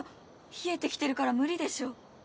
冷えてきてるから無理でしょ。